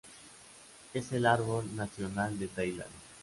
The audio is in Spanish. Es el árbol nacional de Tailandia.